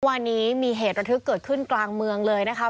วันนี้มีเหตุระทึกเกิดขึ้นกลางเมืองเลยนะคะ